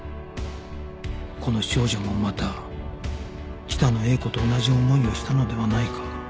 この少女もまた北野英子と同じ思いをしたのではないか